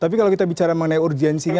tapi kalau kita bicara mengenai urgensinya